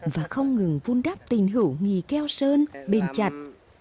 và không ngừng vun đắp tình hữu nghị keo sơn bền chặt